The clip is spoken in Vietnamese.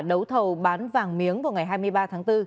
đấu thầu bán vàng miếng vào ngày hai mươi ba tháng bốn